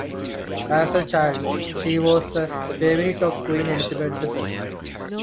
As a child she was a favourite of Queen Elizabeth the First.